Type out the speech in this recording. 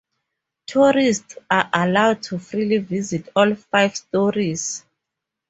Tourists are allowed to freely visit all five storeys.